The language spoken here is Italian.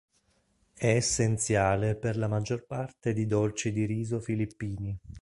È essenziale per la maggior parte di dolci di riso filippini.